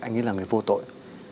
anh ấy là người vô tội